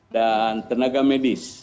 dan tenaga medis